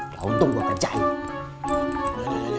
lah untung gue tercaya